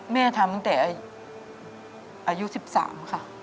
แม่ทำตั้งแต่อายุ๑๓ค่ะ